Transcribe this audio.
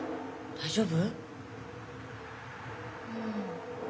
大丈夫？